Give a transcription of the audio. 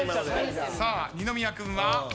さあ二宮君は。